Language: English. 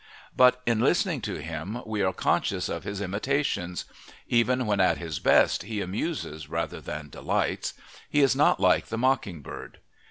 But in listening to him we are conscious of his imitations; even when at his best he amuses rather than delights he is not like the mocking bird.